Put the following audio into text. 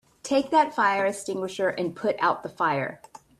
Take that fire extinguisher and put out the fire!